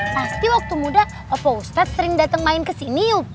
pasti waktu muda opo ustadz sering dateng main kesini yuk